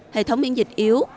hệ thống biến dịch yếu